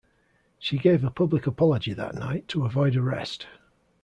She gave a public apology that night to avoid arrest.